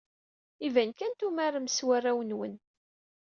Iban kan tumarem s warraw-nwen.